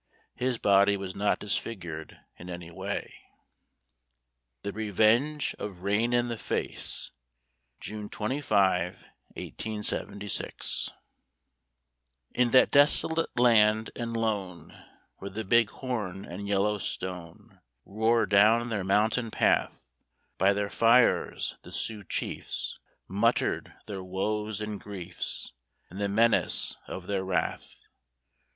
His body was not disfigured in any way. THE REVENGE OF RAIN IN THE FACE [June 25, 1876] In that desolate land and lone, Where the Big Horn and Yellowstone Roar down their mountain path, By their fires the Sioux Chiefs Muttered their woes and griefs And the menace of their wrath.